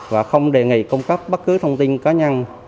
và không đề nghị cung cấp bất cứ thông tin cá nhân